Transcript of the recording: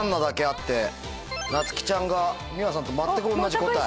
なつきちゃんがｍｉｗａさんと全く同じ答え。